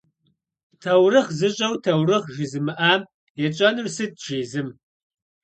Таурыхъ зыщӏэу таурыхъ жызымыӏам етщӏэнур сыт?- жи зым.